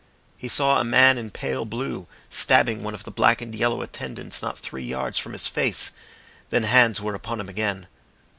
He saw a man in pale blue stabbing one of the black and yellow attendants not three yards from his face. Then hands were upon him again.